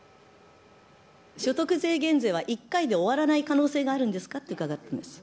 所得税減税は１回で終わらない可能性があるんですかって伺ったんです。